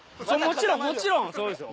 もちろんもちろんそうですよ。